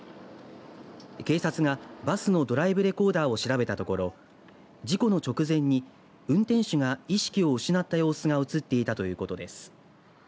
警察が、バスのドライブレコーダーを調べたところ事故の直前に運転手が意識を失った様子が映っていたということです。